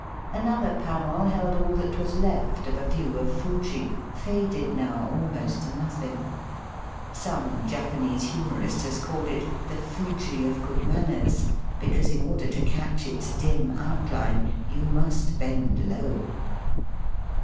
Another panel held all that was left of a view of Fuji, faded now almost to nothing. Some Japanese humourist has called it "the Fuji of good manners," because in order to catch its dim outline you must bend low.